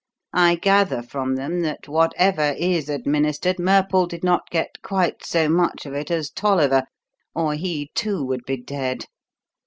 I gather from them that, whatever is administered, Murple did not get quite so much of it as Tolliver, or he, too, would be dead.